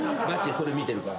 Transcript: それ見てるから。